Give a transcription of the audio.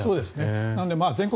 なので全国